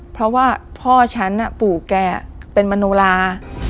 เพราะว่าพ่อฉันปู่แกเป็นมโนลา